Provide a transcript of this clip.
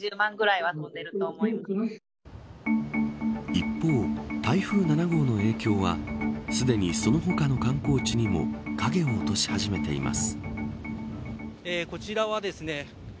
一方、台風７号の影響はすでにその他の観光地にも影を落とし始めています。